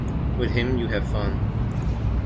With him, you have fun.